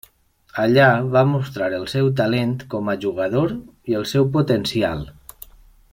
Allà va mostrar el seu talent com a jugador i el seu potencial.